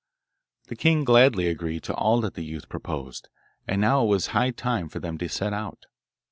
The king gladly agreed to all that the youth proposed, and it was now high time for them to set out.